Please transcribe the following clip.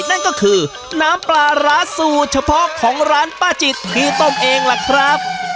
นั่นก็คือน้ำปลาร้าสูตรเฉพาะของร้านป้าจิตที่ต้มเองล่ะครับ